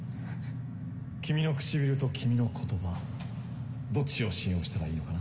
君の唇と君の言葉どっちを信用したらいいのかな？